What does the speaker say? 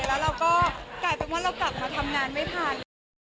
แล้วเราก็กลายเป็นว่าเรากลับมาทำงานไม่ทัน